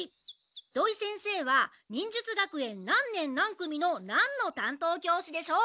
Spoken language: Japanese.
土井先生は忍術学園何年何組の何の担当教師でしょう？